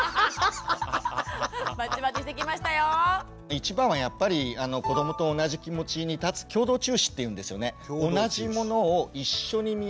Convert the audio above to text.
一番はやっぱり子どもと同じ気持ちに立つ「共同注視」っていうんですよね。